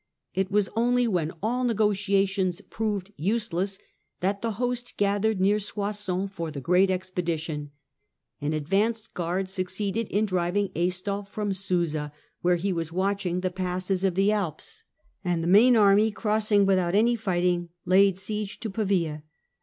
It was only hen all negotiations proved useless that the host athered near Soissons for the great expedition. An Ivance guard succeeded in driving Aistulf from Susa, here he was watching the passes of the Alps, and the 130 THE DAWN OF MEDIAEVAL EUROPE main army, crossing without any fighting, laid siege to Pavia.